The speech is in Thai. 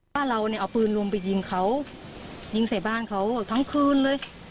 ว่าเราเนี่ยเอาปืนลุมไปยิงเขายิงใส่บ้านเขาทั้งคืนเลย